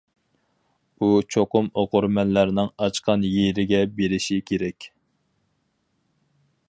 ئۇ چوقۇم ئوقۇرمەنلەرنىڭ ئاچقان يېرىگە بېرىشى كېرەك.